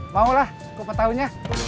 mau lah kupetahunya